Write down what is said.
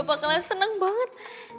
bakalan seneng banget